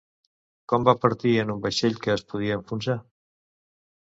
Com va partir en un vaixell que es podia enfonsar?